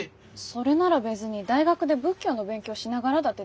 それなら別に大学で仏教の勉強しながらだってできんじゃん。